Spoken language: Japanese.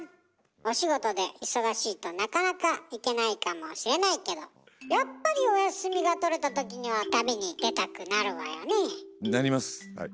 お仕事で忙しいとなかなか行けないかもしれないけどやっぱりなりますはい。